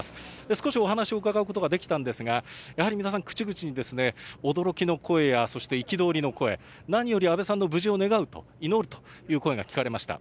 少しお話を伺うことができたんですが、やはり皆さん口々に、驚きの声や、そして、憤りの声、何より安倍さんの無事を願うと、祈るという声が聞かれました。